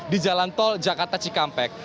di jalan tol jakarta cikampek